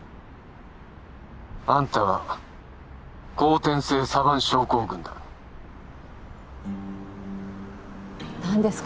あんたは後天性サヴァン症候群だ何ですか？